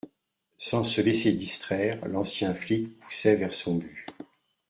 Sans se laisser distraire, l’ancien flic poussait vers son but